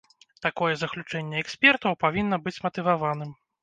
Такое заключэнне экспертаў павінна быць матываваным.